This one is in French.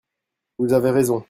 Vous avez raison.